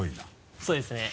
そうですね。